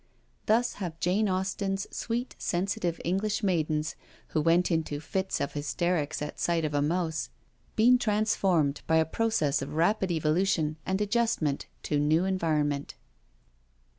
Thus have Jane Austen's sweet, sensitive English maidens, who went into fits of hysterics at sight of a mouse, been transforme<f by a process of rapid evolu tion and adjustment to new environment.